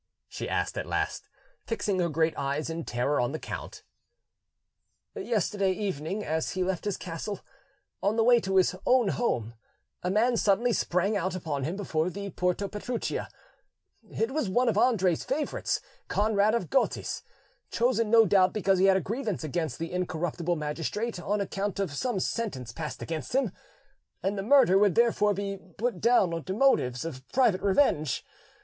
she asked at last, fixing her great eyes in terror on the count. "Yesterday evening, as he left this castle, on the way to his own home, a man suddenly sprang out upon him before the Porta Petruccia: it was one of Andre's favourites, Conrad of Gottis chosen no doubt because he had a grievance against the incorruptible magistrate on account of some sentence passed against him, and the murder would therefore be put down to motives of private revenge.